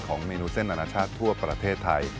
เมนูเส้นอนาชาติทั่วประเทศไทย